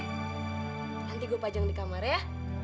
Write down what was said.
nanti gue pajang di kamar ya